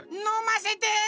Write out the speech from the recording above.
のませて！